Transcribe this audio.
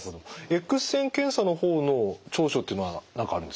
エックス線検査の方の長所っていうのは何かあるんですか？